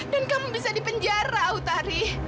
dan kamu bisa dipenjara putari